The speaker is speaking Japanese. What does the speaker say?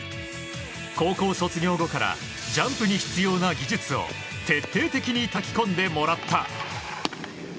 高校卒業後からジャンプに必要な技術を徹底的にたたき込んでもらった。